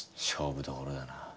勝負どころだな。